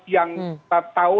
yang kita tahu